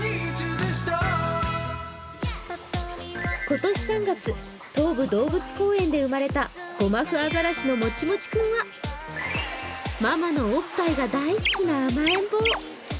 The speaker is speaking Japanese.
今年３月、東武動物公園で生まれたゴマフアザラシのもちもち君はママのおっぱいが大好きな甘えん坊。